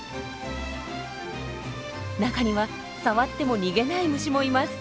中には触っても逃げない虫もいます。